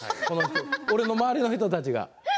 俺の周りの人たちが。